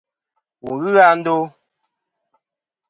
Wù n-ghɨ a ndo.